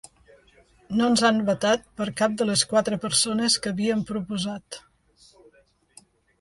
No ens han vetat per cap de les quatre persones que havíem proposat.